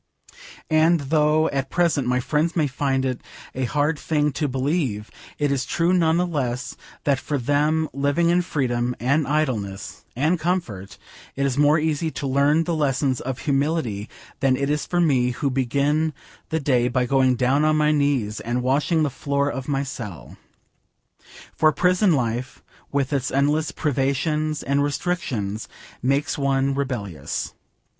And, though at present my friends may find it a hard thing to believe, it is true none the less, that for them living in freedom and idleness and comfort it is more easy to learn the lessons of humility than it is for me, who begin the day by going down on my knees and washing the floor of my cell. For prison life with its endless privations and restrictions makes one rebellious.